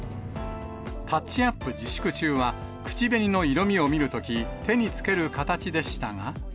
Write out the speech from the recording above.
タッチアップ自粛中は、口紅の色味を見るとき、手につける形でしたが。